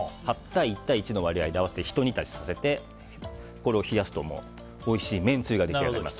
８対１の割合で合わせて、ひと煮立ちさせてこれを冷やすとおいしいめんつゆが出来上がります。